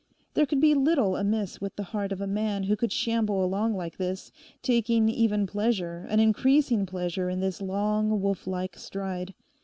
There could be little amiss with the heart of a man who could shamble along like this, taking even pleasure, an increasing pleasure in this long, wolf like stride.